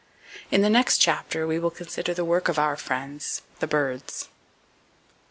In the next chapter we will consider the work of our friends, The Birds.